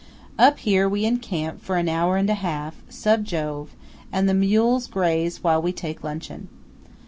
Up here we encamp for an hour and a half, Sub Jove; and the mules graze while we take luncheon.